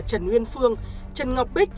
trần nguyên phương trần ngọc bích